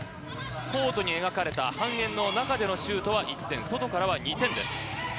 コートに描かれた半円の中でのシュートは１点、外からは２点です。